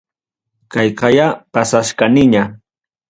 Kayqaya pasachkaniña.